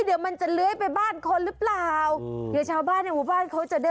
เดี๋ยวมันจะเลื้อยไปบ้านคนหรือเปล่าเดี๋ยวชาวบ้านในหมู่บ้านเขาจะได้